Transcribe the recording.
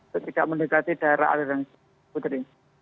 ketika mendekati daerah aliran putri